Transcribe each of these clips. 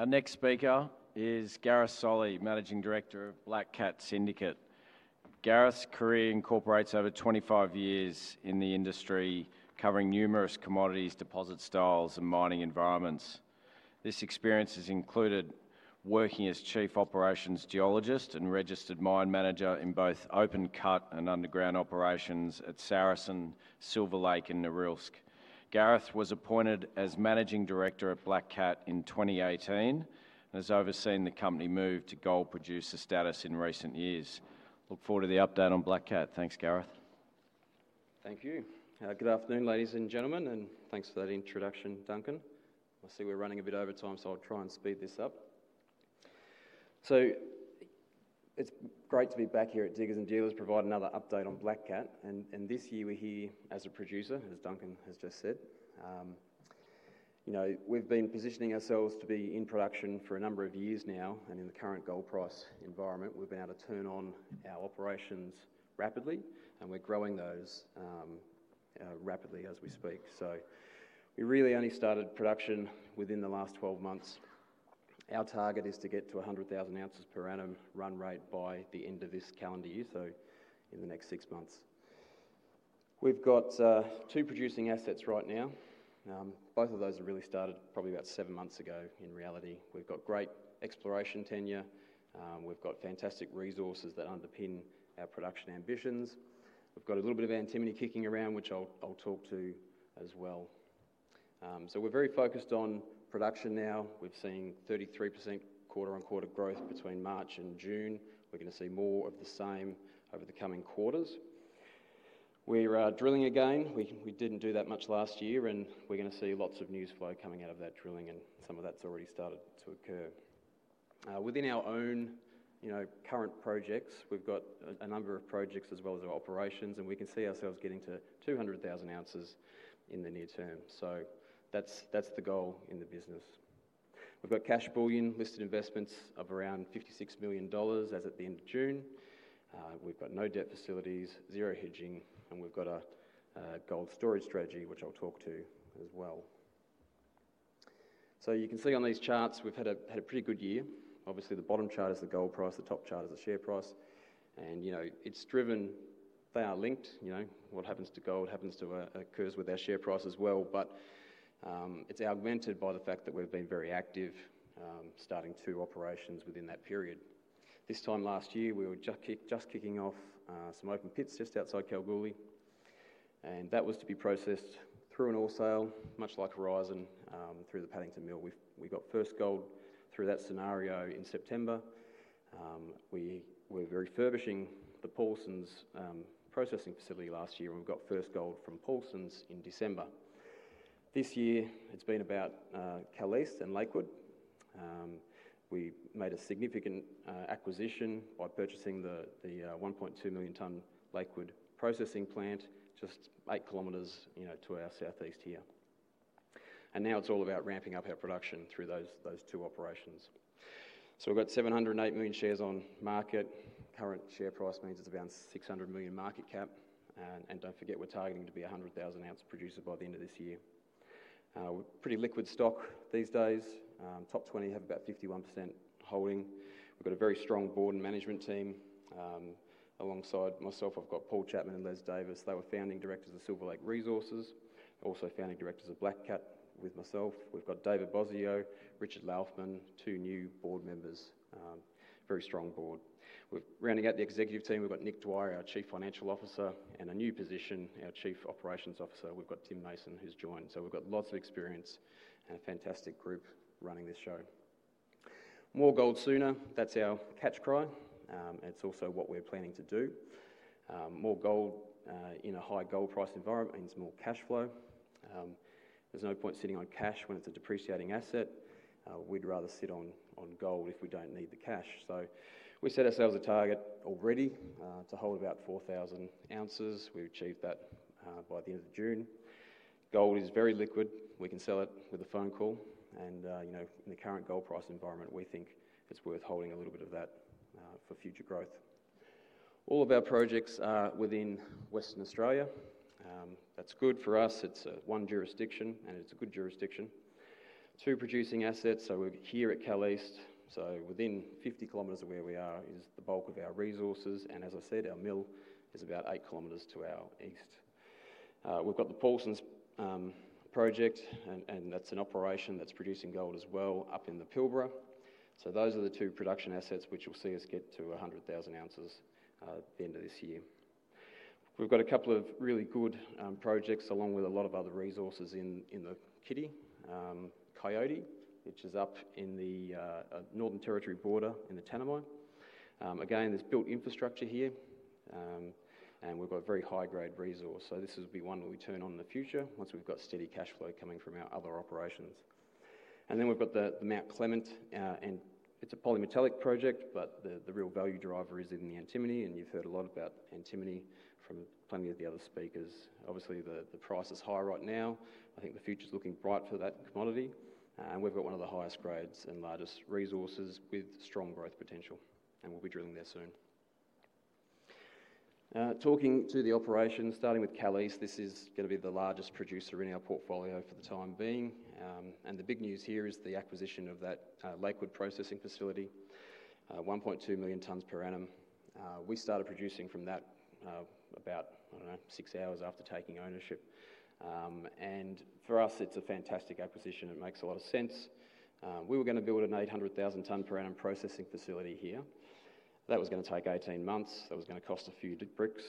Our next speaker is Gareth Solly, Managing Director, Black Cat Syndicate. Gareth's career incorporates over 25 years in the industry, covering numerous commodities, deposit styles, and mining environments. This experience has included working as Chief Operations Geologist and Registered Mine Manager in both open cut and underground operations at Sarasen, Silver Lake Resources, and Norilsk. Gareth was appointed as Managing Director at Black Cat Syndicate in 2018 and has overseen the company move to gold producer status in recent years. Look forward to the update on Black Cat. Thanks, Gareth. Thank you. Good afternoon, ladies and gentlemen, and thanks for that introduction, Duncan. I see we're running a bit over time, so I'll try and speed this up. It's great to be back here at Diggers & Dealers to provide another update on Black Cat Syndicate. This year we're here as a producer, as Duncan has just said. We've been positioning ourselves to be in production for a number of years now, and in the current gold price environment, we've been able to turn on our operations rapidly, and we're growing those rapidly as we speak. We really only started production within the last 12 months. Our target is to get to 100,000 ounces per annum run rate by the end of this calendar year, so in the next six months. We've got two producing assets right now. Both of those have really started probably about seven months ago in reality. We've got great exploration tenure. We've got fantastic resources that underpin our production ambitions. We've got a little bit of antimony kicking around, which I'll talk to as well. We're very focused on production now. We've seen 33% quarter-on-quarter growth between March and June. We're going to see more of the same over the coming quarters. We're drilling again. We didn't do that much last year, and we're going to see lots of news flow coming out of that drilling, and some of that's already started to occur. Within our own current projects, we've got a number of projects as well as our operations, and we can see ourselves getting to 200,000 ounces in the near term. That's the goal in the business. We've got cash bullion listed investments of around $56 million as at the end of June. We've got no debt facilities, zero hedging, and we've got a gold storage strategy, which I'll talk to as well. You can see on these charts, we've had a pretty good year. Obviously, the bottom chart is the gold price, the top chart is the share price, and it's driven, they are linked, what happens to gold happens to occur with our share price as well, but it's augmented by the fact that we've been very active starting two operations within that period. This time last year, we were just kicking off some open pits just outside Kalgoorlie, and that was to be processed through an ore sale, much like Horizon, through the Paddington Mill. We got first gold through that scenario in September. We were refurbishing the Paulsens processing facility last year, and we got first gold from Paulsens in December. This year, it's been about Kal East and Lakewood. We made a significant acquisition by purchasing the 1.2 million tonne Lakewood processing plant, just eight kilometers, you know, to our southeast here. Now it's all about ramping up our production through those two operations. We've got 708 million shares on market. Current share price means it's about $600 million market cap. Don't forget, we're targeting to be 100,000 ounce producer by the end of this year. We're a pretty liquid stock these days. Top 20 have about 51% holding. We've got a very strong board and management team. Alongside myself, I've got Paul Chapman and Les Davis. They were founding directors of Silver Lake Resources, also founding directors of Black Cat with myself. We've got David Bosio, Richard Laufmann, two new board members, very strong board. We're rounding out the executive team. We've got Nick Dwyer, our Chief Financial Officer, and a new position, our Chief Operating Officer. We've got Tim Mason, who's joined. We've got lots of experience and a fantastic group running this show. More gold sooner, that's our catch cry. It's also what we're planning to do. More gold in a high gold price environment means more cash flow. There's no point sitting on cash when it's a depreciating asset. We'd rather sit on gold if we don't need the cash. We set ourselves a target already to hold about 4,000 ounces. We've achieved that by the end of June. Gold is very liquid. We can sell it with a phone call. You know, in the current gold price environment, we think it's worth holding a little bit of that for future growth. All of our projects are within Western Australia. That's good for us. It's one jurisdiction, and it's a good jurisdiction. Two producing assets. We're here at Kal East. Within 50 Km of where we are is the bulk of our resources. As I said, our mill is about eight kilometers to our east. We've got the Paulsens project, and that's an operation that's producing gold as well up in the Pilbara. Those are the two production assets which will see us get to 100,000 ounces at the end of this year. We've got a couple of really good projects along with a lot of other resources in the kitty, Coyote, which is up in the Northern Territory border in the Tanami region. Again, there's built infrastructure here, and we've got a very high-grade resource. This will be one that we turn on in the future once we've got steady cash flow coming from our other operations. We've got the Mt Clement, and it's a polymetallic project, but the real value driver is in the antimony, and you've heard a lot about antimony from plenty of the other speakers. Obviously, the price is high right now. I think the future is looking bright for that commodity, and we've got one of the highest grades and largest resources with strong growth potential, and we'll be drilling there soon. Talking to the operations, starting with Kal East, this is going to be the largest producer in our portfolio for the time being. The big news here is the acquisition of that Lakewood processing plant, 1.2 million tonnes per annum. We started producing from that about, I don't know, six hours after taking ownership. For us, it's a fantastic acquisition. It makes a lot of sense. We were going to build an 800,000 tonne per annum processing facility here. That was going to take 18 months. That was going to cost a few bricks.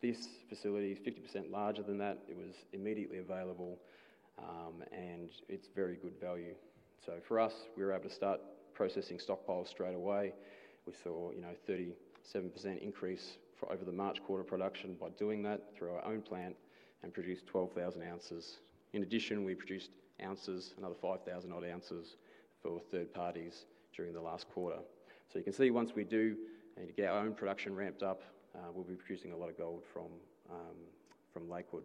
This facility is 50% larger than that. It was immediately available, and it's very good value. For us, we were able to start processing stockpiles straight away. We saw a 37% increase for over the March quarter production by doing that through our own plant and produced 12,000 ounces. In addition, we produced another 5,000 odd ounces for third parties during the last quarter. You can see once we do and get our own production ramped up, we'll be producing a lot of gold from Lakewood.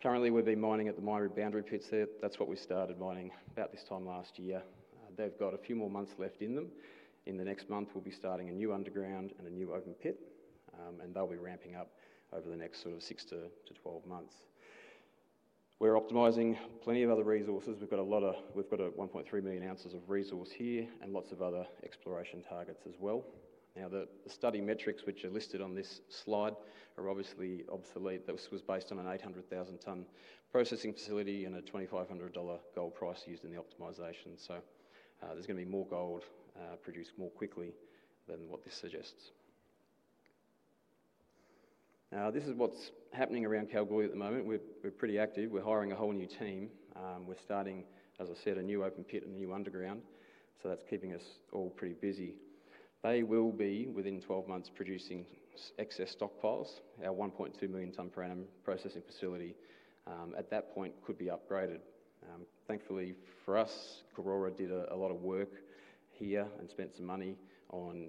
Currently, we've been mining at the Myhree Boundary Pits there. That's what we started mining about this time last year. They've got a few more months left in them. In the next month, we'll be starting a new underground and a new open pit, and they'll be ramping up over the next sort of 6-12 months. We're optimizing plenty of other resources. We've got 1.3 million ounces of resource here and lots of other exploration targets as well. Now, the study metrics which are listed on this slide are obviously obsolete. This was based on an 800,000 tonne processing facility and a $2,500 gold price used in the optimization. There's going to be more gold produced more quickly than what this suggests. This is what's happening around Kalgoorlie at the moment. We're pretty active. We're hiring a whole new team. We're starting, as I said, a new open pit and a new underground. That's keeping us all pretty busy. They will be, within 12 months, producing excess stockpiles. Our 1.2 million tonne per annum processing facility at that point could be upgraded. Thankfully for us, Carrara did a lot of work here and spent some money on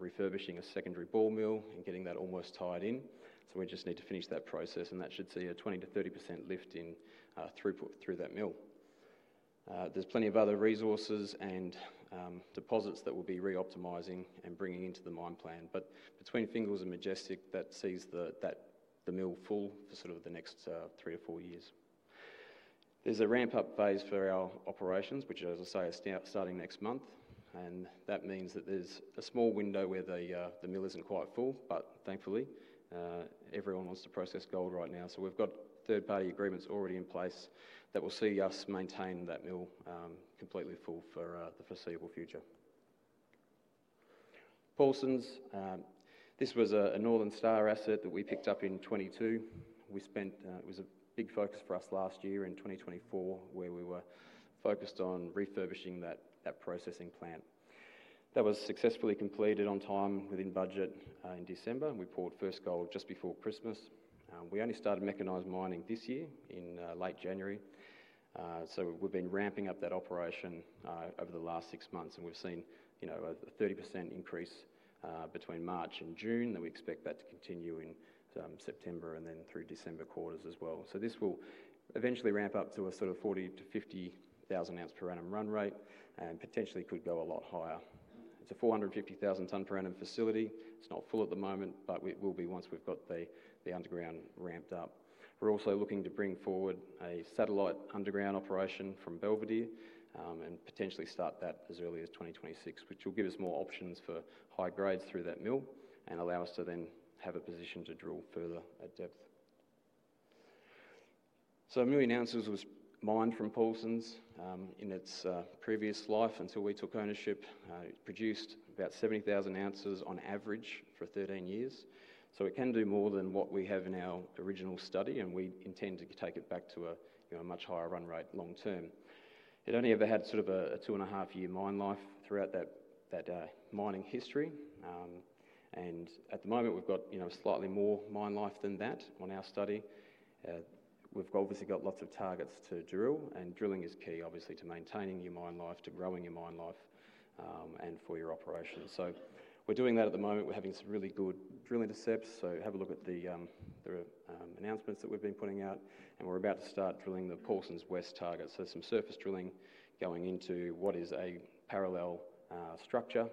refurbishing a secondary ball mill and getting that almost tied in. We just need to finish that process, and that should see a 20%-30% lift in throughput through that mill. There are plenty of other resources and deposits that we'll be re-optimizing and bringing into the mine plan. Between Fingals and Majestic, that sees the mill full for the next three or four years. There's a ramp-up phase for our operations, which, as I say, is starting next month. That means there's a small window where the mill isn't quite full, but thankfully, everyone wants to process gold right now. We've got third-party processing agreements already in place that will see us maintain that mill completely full for the foreseeable future. Paulsens, this was a Northern Star asset that we picked up in 2022. It was a big focus for us last year and in 2024 where we were focused on refurbishing that processing plant. That was successfully completed on time and within budget in December. We poured first gold just before Christmas. We only started mechanized mining this year in late January. We've been ramping up that operation over the last six months, and we've seen a 30% increase between March and June. We expect that to continue in September and then through December quarters as well. This will eventually ramp up to a 40,000-50,000 ounce per annum run rate and potentially could go a lot higher. It's a 450,000 tonne per annum facility. It's not full at the moment, but it will be once we've got the underground ramped up. We're also looking to bring forward a satellite underground operation from Belvedere and potentially start that as early as 2026, which will give us more options for high grades through that mill and allow us to then have a position to drill further at depth. A million ounces was mined from Paulsens in its previous life until we took ownership. It produced about 70,000 ounces on average for 13 years. It can do more than what we have in our original study, and we intend to take it back to a much higher run rate long term. It only ever had a two and a half year mine life throughout that mining history. At the moment, we've got slightly more mine life than that on our study. We've obviously got lots of targets to drill, and drilling is key, obviously, to maintaining your mine life, to growing your mine life, and for your operations. We're doing that at the moment. We're having some really good drill intercepts. Have a look at the announcements that we've been putting out, and we're about to start drilling the Paulsens West target. Some surface drilling is going into what is a parallel structure.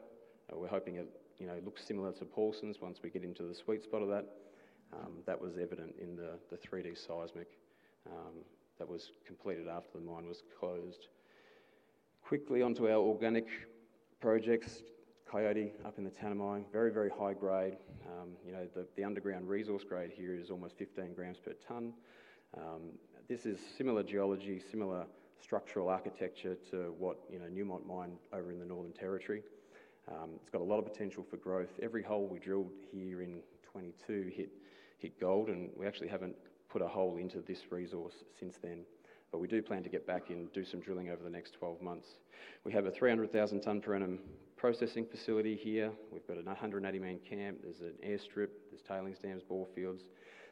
We're hoping it looks similar to Paulsens once we get into the sweet spot of that. That was evident in the 3D seismic that was completed after the mine was closed. Quickly onto our organic projects, Coyote up in the Tanami, very, very high grade. The underground resource grade here is almost 15 grams per ton. This is similar geology, similar structural architecture to what Newmont Mine has over in the Northern Territory. It's got a lot of potential for growth. Every hole we drilled here in 2022 hit gold, and we actually haven't put a hole into this resource since then. We do plan to get back in and do some drilling over the next 12 months. We have a 300,000-ton-per-annum processing facility here. We've got a 180-man camp. There's an airstrip, tailings dams, bore fields.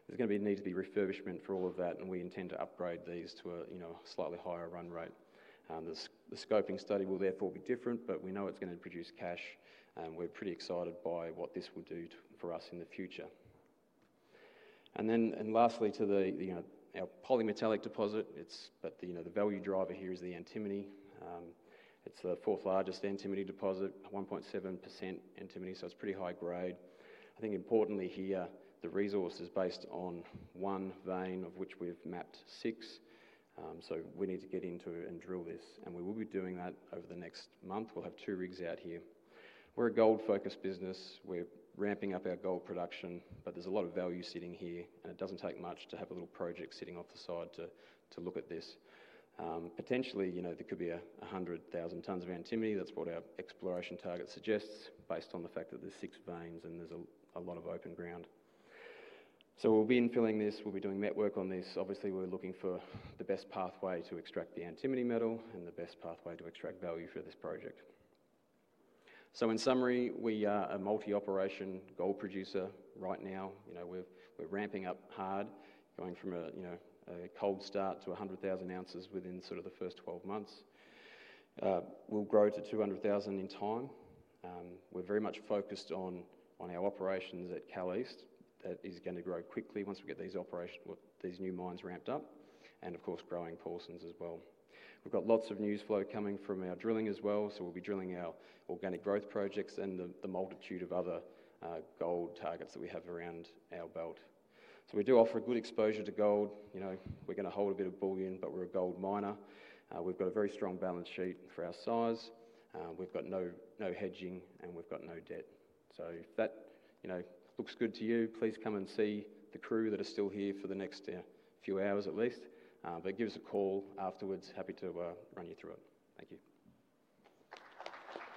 There's going to need to be refurbishment for all of that, and we intend to upgrade these to a slightly higher run rate. The scoping study will therefore be different, but we know it's going to produce cash, and we're pretty excited by what this will do for us in the future. Lastly, to our polymetallic deposit, the value driver here is the antimony. It's the fourth-largest antimony deposit, 1.7% antimony, so it's pretty high grade. Importantly here, the resource is based on one vein of which we've mapped six. We need to get into and drill this, and we will be doing that over the next month. We'll have two rigs out here. We're a gold-focused business. We're ramping up our gold production, but there's a lot of value sitting here, and it doesn't take much to have a little project sitting off the side to look at this. Potentially, there could be 100,000 tons of antimony. That's what our exploration target suggests based on the fact that there's six veins and there's a lot of open ground. We'll be infilling this. We'll be doing network on this. Obviously, we're looking for the best pathway to extract the antimony metal and the best pathway to extract value for this project. In summary, we are a multi-operation gold producer right now. We're ramping up hard, going from a cold start to 100,000 ounces within the first 12 months. We'll grow to 200,000 ounces in time. We're very much focused on our operations at Kal East. That is going to grow quickly once we get these operations, these new mines ramped up, and of course growing Paulsens as well. We've got lots of news flow coming from our drilling as well. We'll be drilling our organic growth projects and the multitude of other gold targets that we have around our belt. We do offer a good exposure to gold. We're going to hold a bit of bullion, but we're a gold miner. We've got a very strong balance sheet for our size. We've got no hedging, and we've got no debt. If that looks good to you, please come and see the crew that are still here for the next few hours at least, but give us a call afterwards. Happy to run you through it. Thank you.